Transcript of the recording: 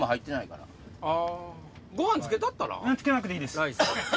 付けなくていいです。